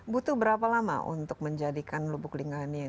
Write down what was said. butuh berapa lama untuk menjadikan lubulingga ini